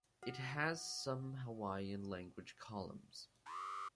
It has some Hawaiian language columns.